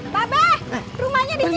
baik rumahnya di sini